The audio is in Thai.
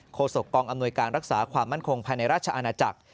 โศกกองอำนวยการรักษาความมั่นคงภายในราชอาณาจักร